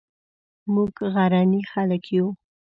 موږ غرني خلک یو